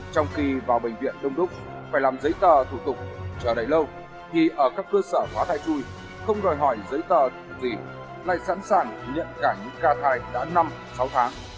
trong khi vào bệnh viện đông đúc phải làm giấy tờ thủ tục chờ đợi lâu thì ở các cơ sở hóa thai chui không đòi hỏi giấy tờ gì lại sẵn sàng nhận cả những ca thai đã năm sáu tháng